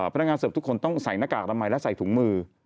พนักงานเสิร์ฟทุกคนต้องใส่หน้ากากอนามัยและใส่ถุงมือ